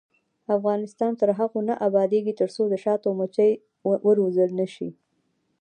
افغانستان تر هغو نه ابادیږي، ترڅو د شاتو مچۍ وروزل نشي.